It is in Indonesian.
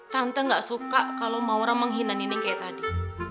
tante gak suka kalo maulah menghina nining kayak tadi